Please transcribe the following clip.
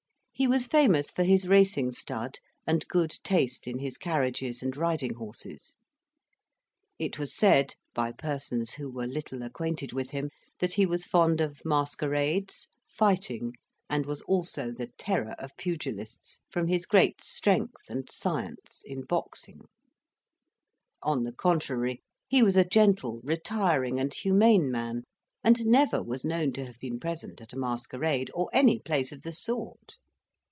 He was famous for his racing stud and good taste in his carriages and riding horses. It was said, by persons who were little acquainted with him, that he was fond of masquerades, fighting, and was also the terror of pugilists, from his great strength and science in boxing; on the contrary, he was a gentle, retiring, and humane man, and never was known to have been present at a masquerade, or any place of the sort.